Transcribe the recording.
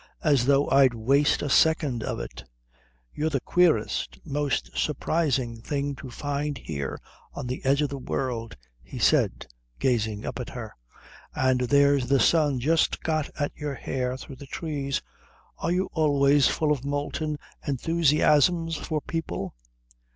As though I'd waste a second of it." "You're the queerest, most surprising thing to find here on the edge of the world," he said, gazing up at her. "And there's the sun just got at your hair through the trees. Are you always full of molten enthusiasms for people?"